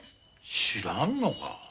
知らんのか。